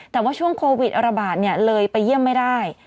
แต่ว่าช่วงโควิดระบาดเลยไปเยี่ยมไม่ได้